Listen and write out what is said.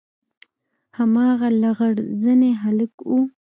هماغه لغړ زنى هلک و.